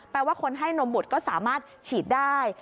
ว่าคนให้นมบุตรก็สามารถฉีดได้